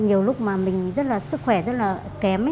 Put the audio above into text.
nhiều lúc mình sức khỏe rất kém